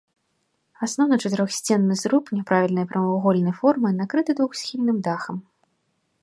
Асноўны чатырохсценны зруб няправільнай прамавугольнай формы накрыты двухсхільным дахам.